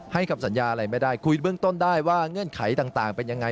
คำสัญญาอะไรไม่ได้คุยเบื้องต้นได้ว่าเงื่อนไขต่างเป็นยังไง